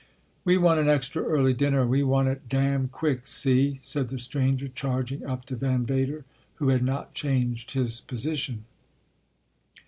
" We want an extra early dinner and we want it damn quick, see?" said the stranger, charging up to Van Vader, who had not changed his posi tion.